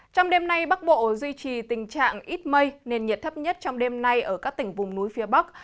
trong đêm nay bắc bộ duy trì tình trạng ít mây nền nhiệt thấp nhất trong đêm nay ở các tỉnh vùng núi phía bắc